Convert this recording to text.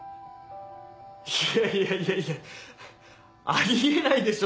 いやいやいやいやあり得ないでしょ